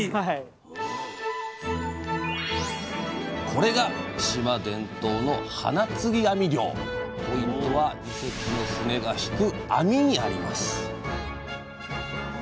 これが島伝統のポイントは２隻の船が引く網にあります